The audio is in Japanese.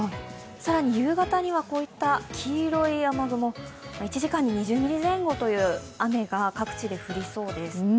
更に夕方には黄色い雨雲、１時間に２０ミリ前後という雨が各地で降りそうです。